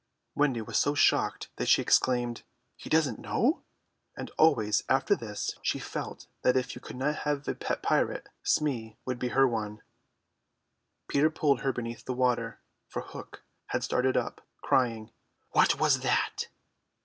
Wendy was so shocked that she exclaimed. "He doesn't know!" and always after this she felt that if you could have a pet pirate Smee would be her one. Peter pulled her beneath the water, for Hook had started up, crying, "What was that?"